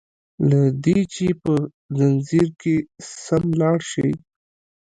له دي چي په ځنځير کي سم لاړ شي